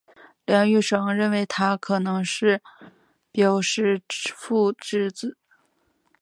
梁玉绳认为他可能是虢石父之子。